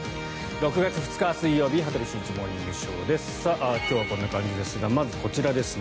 ６月２日、水曜日「羽鳥慎一モーニングショー」。今日はこんな感じですがまず、こちらですね。